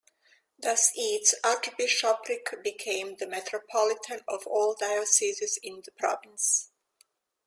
Thus its Archbishopric became the Metropolitan of all dioceses in the province.